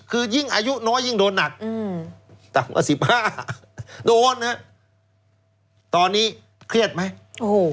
คือยิ่งอายุน้อยยิ่งโดนหนักอืมต่ำกว่าสิบห้าโดนฮะตอนนี้เครียดไหมโอ้โห